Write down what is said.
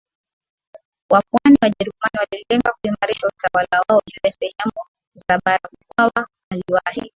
wa pwani Wajerumani walilenga kuimarisha utawala wao juu ya sehemu za baraMkwawa aliwahi